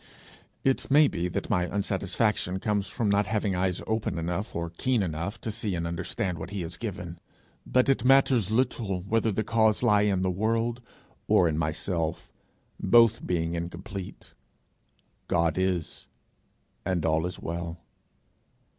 It may be that my unsatisfaction comes from not having eyes open enough, or keen enough, to see and understand what he has given; but it matters little whether the cause lie in the world or in myself, both being incomplete: God is, and all is well.